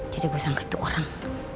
jadi gue sangka itu orang